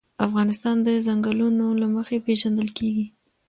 افغانستان د چنګلونه له مخې پېژندل کېږي.